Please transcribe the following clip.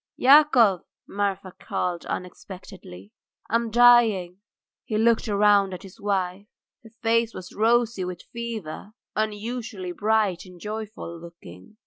"Yakov!" Marfa called unexpectedly. "I am dying." He looked round at his wife. Her face was rosy with fever, unusually bright and joyful looking.